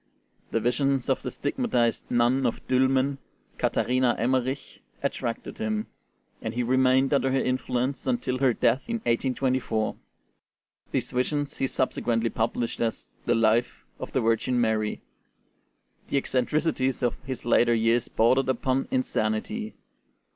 The visions of the stigmatized nun of Dülmen, Katharina Emmerich, attracted him, and he remained under her influence until her death in 1824. These visions he subsequently published as the 'Life of the Virgin Mary.' The eccentricities of his later years bordered upon insanity.